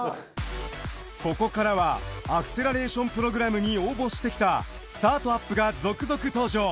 ここからはアクセラレーションプログラムに応募してきたスタートアップが続々登場。